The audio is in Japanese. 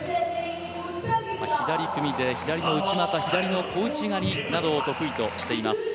左組み手、左の内股、左の小内刈りなどを得意としています。